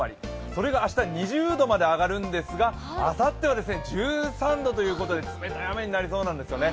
それが明日、２０度まで上がるんですが、あさっては１３度ということで冷たい雨になりそうなんですよね。